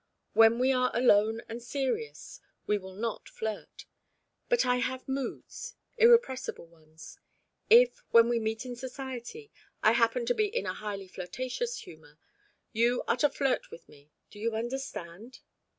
When we are alone and serious, we will not flirt; but I have moods, irrepressible ones. If, when we meet in society, I happen to be in a highly flirtatious humour, you are to flirt with me. Do you understand?"